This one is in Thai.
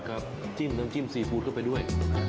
จิ้มน้ำจิ้มซีฟู้ดเข้าไปด้วย